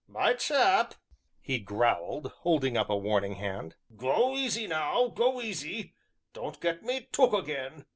"My chap," he growled, holding up a warning hand, "go easy now, go easy; don't get me took again."